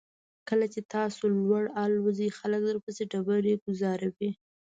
کله چې تاسو لوړ الوځئ خلک درپسې ډبرې ګوزاروي.